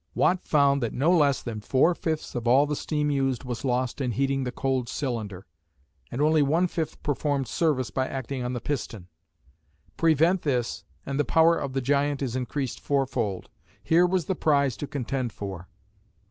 Watt found that no less than four fifths of all the steam used was lost in heating the cold cylinder, and only one fifth performed service by acting on the piston. Prevent this, and the power of the giant is increased fourfold. Here was the prize to contend for.